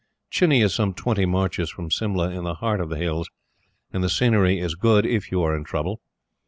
Chini is some twenty marches from Simla, in the heart of the Hills, and the scenery is good if you are in trouble.